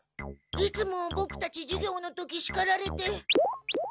いつもボクたち授業の時しかられて。